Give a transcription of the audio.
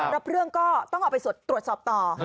รับเรื่องก็ต้องเอาไปตรวจสอบต่อ